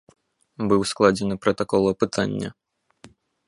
Быў складзены пратакол апытання.